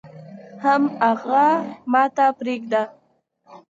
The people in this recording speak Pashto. حم اغه ماته پرېده.